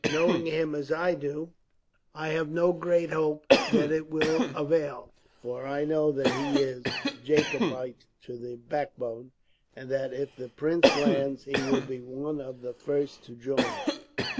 Knowing him as I do, I have no great hope that it will avail; for I know that he is Jacobite to the backbone, and that, if the Prince lands, he will be one of the first to join him."